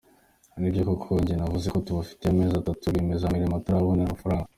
Ni byo koko njye navuga ko tubafitiye amezi atatu rwiyemezamirimo atarabonera amafaranga.